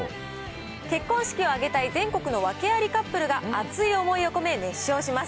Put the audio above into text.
結婚式を挙げたい全国の訳ありカップルが、熱い思いを込め熱唱します。